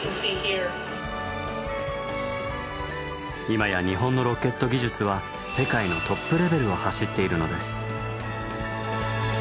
今や日本のロケット技術は世界のトップレベルを走っているのです。